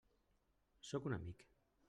Sóc un amic.